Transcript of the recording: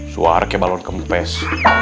suara kayak balon kempes